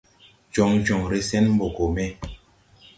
Jɔŋ jɔŋre sɛn mbɔ gɔ me.